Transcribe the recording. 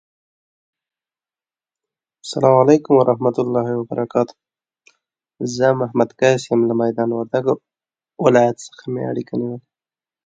Winston County itself was suffering from its own internal war.